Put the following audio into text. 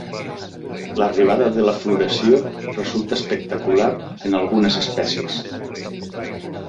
L'arribada de la floració resulta espectacular en algunes espècies.